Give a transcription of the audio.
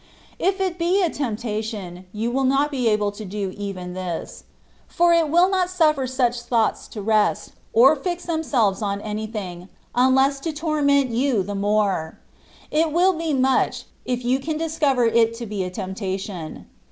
If it be a temptation, you will not be able to do even this ; for it will not suffer such thoughts to rest, or fix themselves on anything, unless to torment you the more : it will be much, if you can discover it to be a tempta tion.